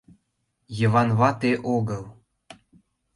— Йыван вате огыл...